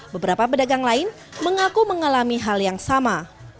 beberapa pedagang lain mengaku mengalami hal yang sama